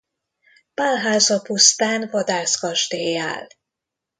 Pálháza pusztán vadászkastély áll.